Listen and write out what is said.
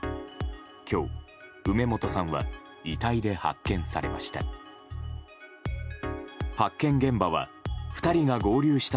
今日、梅本さんは遺体で発見されました。